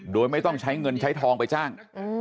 โดยไม่ต้องใช้เงินใช้ทองไปจ้าง